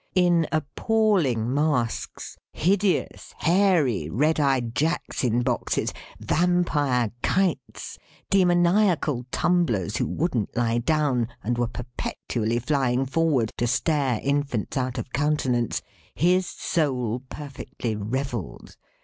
In appalling masks; hideous, hairy, red eyed Jacks in Boxes; Vampire Kites; demoniacal Tumblers who wouldn't lie down, and were perpetually flying forward, to stare infants out of countenance; his soul perfectly revelled.